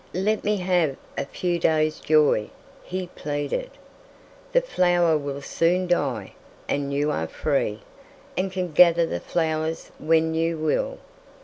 "Let me have a few days' joy," he pleaded. "The flower will soon die, and you are free, and can gather the flowers when you will."